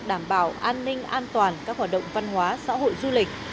đảm bảo an ninh an toàn các hoạt động văn hóa xã hội du lịch